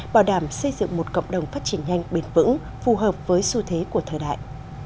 bảo đảm xây dựng một cộng đồng phát triển nhanh bền vững phù hợp với xu thế của thời đại